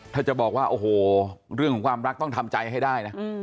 ถ้าจะบอกว่าโอ้โหเรื่องของความรักต้องทำใจให้ได้นะ